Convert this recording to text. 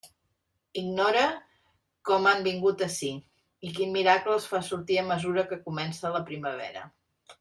Ignore com han vingut ací i quin miracle els fa sortir a mesura que comença la primavera.